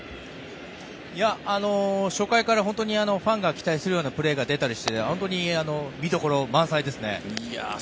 初回から本当にファンが期待するようなプレーが出たりして本当に見どころ満載ですよね。